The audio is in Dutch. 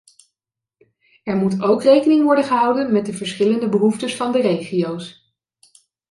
Er moet ook rekening worden gehouden met de verschillende behoeftes van de regio's.